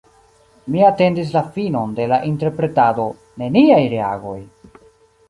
Mi atendis la finon de la interpretado: neniaj reagoj!